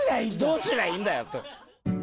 どうすりゃいいんだよと。